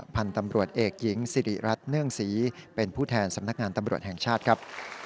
พันธุ์ตำรวจเอกหญิงสิริรัตนเนื่องศรีเป็นผู้แทนสำนักงานตำรวจแห่งชาติครับ